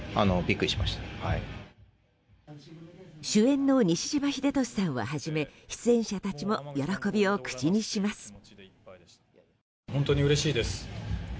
主演の西島秀俊さんをはじめ出演者たちも喜びを口にします。